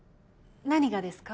何がですか？